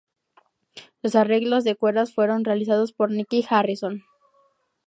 Los arreglos de cuerdas fueron realizados por Nicky Harrison.